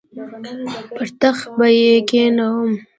پر تخت به یې کښېنوم.